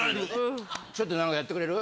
ちょっと何かやってくれる？